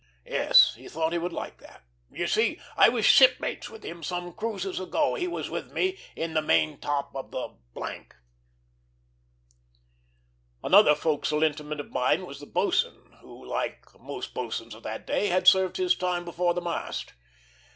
Yes, he thought he would like that. "You see, I was shipmates with him some cruises ago; he was with me in the main top of the ." Another forecastle intimate of mine was the boatswain, who, like most boatswains of that day, had served his time before the mast.